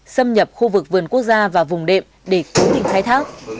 xâm nhập khu vực vườn quốc gia và vùng đệm để cứu tỉnh khai thác